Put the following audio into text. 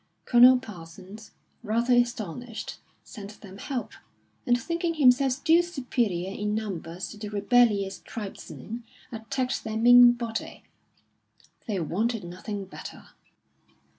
Colonel Parsons, rather astonished, sent them help, and thinking himself still superior in numbers to the rebellious tribesmen, attacked their main body. They wanted nothing better.